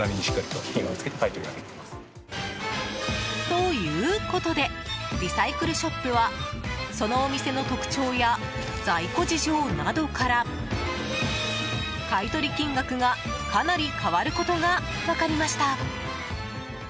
ということでリサイクルショップはそのお店の特徴や在庫事情などから買い取り金額がかなり変わることが分かりました。